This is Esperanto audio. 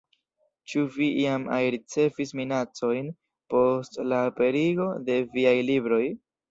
Ĉu vi iam ajn ricevis minacojn post la aperigo de viaj libroj?